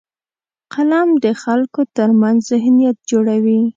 قلم د خلکو ترمنځ ذهنیت جوړوي